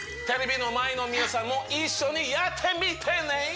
テレビの前の皆さんも一緒にやってみてね！